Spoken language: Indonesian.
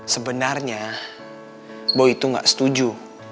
sebenarnya boy tuh gak setuju